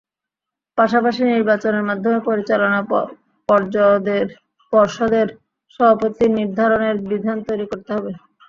পাশাপাশি নির্বাচনের মাধ্যমে পরিচালনা পর্ষদের সভাপতি নির্ধারণের বিধান তৈরি করতে হবে।